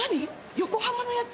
横浜のやつ？